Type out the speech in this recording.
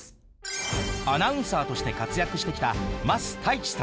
アナウンサーとして活躍してきた桝太一さん。